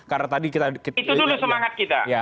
itu dulu semangat kita